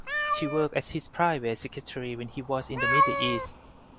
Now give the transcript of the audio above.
She worked as his private secretary when he was in the Middle east.